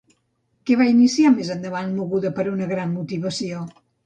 Què va iniciar més endavant moguda per una gran motivació?